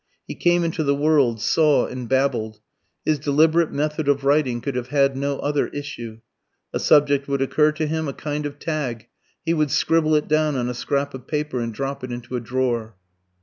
He came into the world, saw and babbled. His deliberate method of writing could have had no other issue. A subject would occur to him, a kind of tag. He would scribble it down on a scrap of paper and drop it into a drawer.